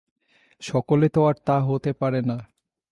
সকলে তো আর তা হতে পারে না।